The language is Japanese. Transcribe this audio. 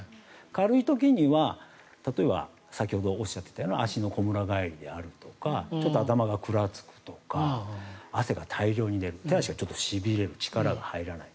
軽い時には例えば先ほどおっしゃっていたような足のこむら返りであるとか頭がくらつくとか汗が大量に出る手足がしびれる、力が入らない。